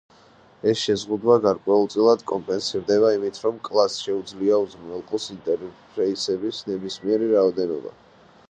ეს შეზღუდვა გარკვეულწილად კომპენსირდება იმით, რომ კლასს შეუძლია უზრუნველყოს ინტერფეისების ნებისმიერი რაოდენობა.